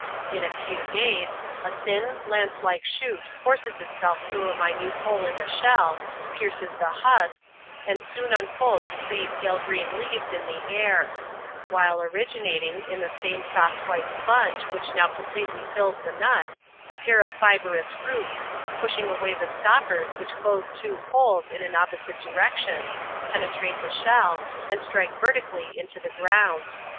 In a few days^ a thin, lance like shoot forces itsdf through a minute hole in the shell, pierces the husk, and soon unfolds three pale green leaves in the ak ; while originating,* in the fame soft white sponge which now completely fills the nut, a pair of fibrous roots, pushing away the stoppers which cloae two holes in an opposite direction, penetrate the shell, and strike vertically into the ground.